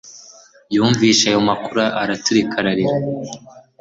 Yumvise ayo makuru araturika ararira